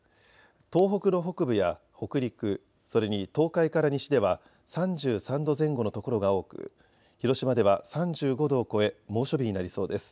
東北の北部や北陸、それに東海から西では３３度前後の所が多く広島では３５度を超え猛暑日になりそうです。